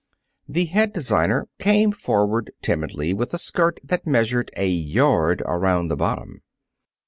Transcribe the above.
The head designer came forward timidly with a skirt that measured a yard around the bottom.